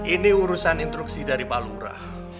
ini urusan instruksi dari pak lurah